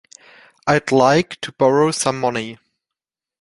I'd like to borrow some money.